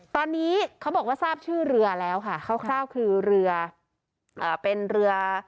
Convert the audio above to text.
ตอนนี้เขาบอกว่าทราบชื่อเรือแล้วค่ะคร่าวคือเรือเป็นเรือ